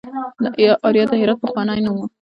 اریا د هرات پخوانی نوم و